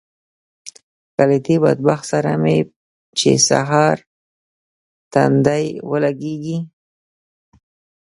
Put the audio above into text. له دې بدبخت سره مې چې سهار تندی ولګېږي